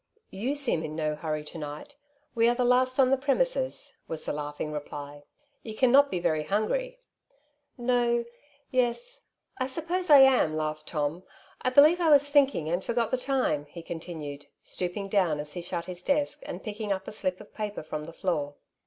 You seem in no hurry to Castles in the Air. 31 night; we are the last on the premises/' was the laughing reply. *'Tou cannot be very hungry.'* *' No — ^yes — I suppose I am,'' laughed Tom. " I believe I was thinking and forgot the time," he continued, stooping down as he shut his desk, and picking up a sUp of paper from the floor.